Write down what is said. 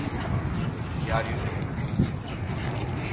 Diario de Vigo.